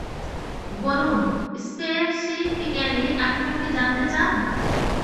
বলুন, স্পেসিফিক্যালি আপনি কী জানতে চান।